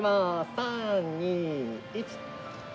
３２１。